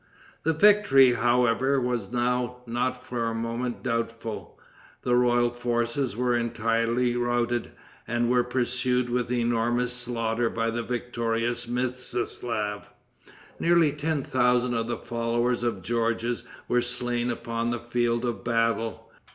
The victory, however, was now not for a moment doubtful. The royal forces were entirely routed, and were pursued with enormous slaughter by the victorious Mstislaf. Nearly ten thousand of the followers of Georges were slain upon the field of battle.